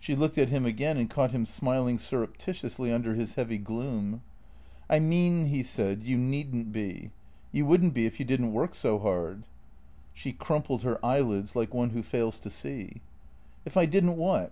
She looked at him again and caught him smiling surrepti tiously under his heavy gloom. " I mean," he said, " you need n't be. You would n't be if you did n't work so hard." She crumpled her eyelids like one who fails to see. "If I didn't what?"